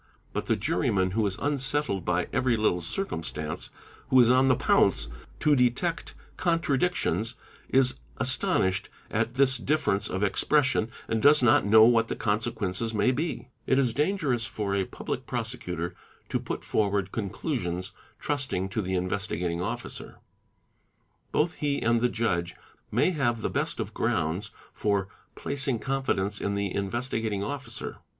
'' But the juryman who is unsettled by every little circumstance, who is on the pounce to detect contradic tions, 1s astonished at this difference of expression and does not know | what the consequences may be. It is dangerous for a Public Prosecutor to put forward conclusions, trusting to the Investigating Officer. "Both he and the judge may have the best of grounds for placing confidence in the Investigating Officer.